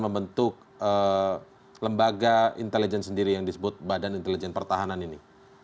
membentuk lembaga intelijen sendiri yang disebut badan intelijen pertahanan ini